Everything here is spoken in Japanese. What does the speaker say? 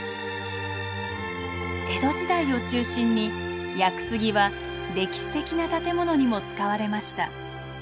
江戸時代を中心に屋久杉は歴史的な建物にも使われました。